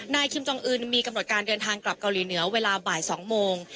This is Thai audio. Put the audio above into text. คิมจองอื่นมีกำหนดการเดินทางกลับเกาหลีเหนือเวลาบ่าย๒โมง